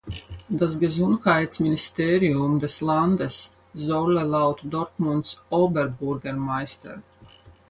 Das Gesundheitsministerium des Landes solle laut Dortmunds Oberbürgermeister.